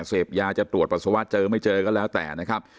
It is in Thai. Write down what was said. เสพยาจะตรวจปัสสาวะเจอไม่เจอก็แล้วแต่นะครับ